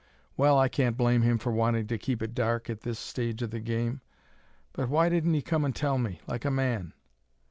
"Well, I can't blame him for wanting to keep it dark, at this stage of the game. But why didn't he come and tell me, like a man!"